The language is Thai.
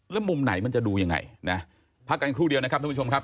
แล้วมุมไหนมันจะดูยังไงนะพักกันครู่เดียวนะครับท่านผู้ชมครับ